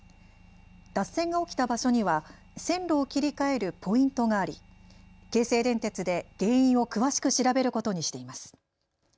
脱線が起きた場所には線路を切り替えるポイントがあり、京成電鉄で原因を詳しく調べることにしています。